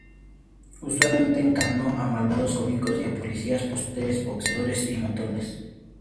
Usualmente encarnó a malvados cómicos y a policías, porteros, boxeadores y matones.